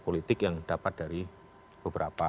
politik yang dapat dari beberapa